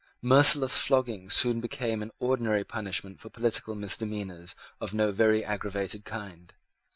Merciless flogging soon became an ordinary punishment for political misdemeanours of no very aggravated kind.